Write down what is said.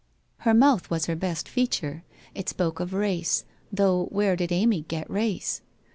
Her mouth was her best feature, it spoke of race, though where did Amy get race?